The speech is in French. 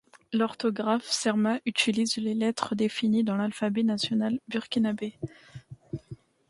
L’orthographe cerma utilise les lettres définies dans l’alphabet national burkinabé.